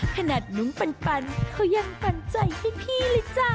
นุ้งปันเขายังปันใจให้พี่เลยจ้ะ